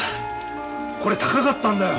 これ高かったんだよ。